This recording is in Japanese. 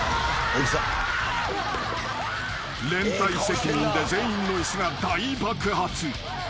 ［連帯責任で全員の椅子が大爆発］